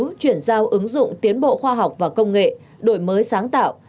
tiếp tục chuyển giao ứng dụng tiến bộ khoa học và công nghệ đổi mới sáng tạo